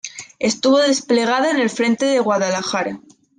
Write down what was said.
Estuvo desplegada en el Frente de Guadalajara.